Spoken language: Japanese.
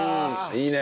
いいね。